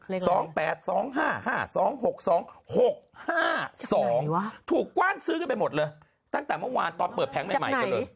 เลขไหน๒๘๒๕๕๒๖๒๖๕๒ถูกกว้านซื้อกันไปหมดเลยตั้งแต่เมื่อวานตอนเปิดแพงค์ใหม่ก็เลย